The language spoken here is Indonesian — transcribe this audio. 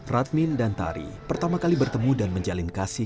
radmin dan tari pertama kali bertemu dan menjalin kasih